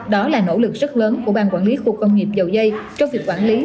đó là nỗ lực rất lớn của ban quản lý khu công nghiệp dầu dây cho việc quản lý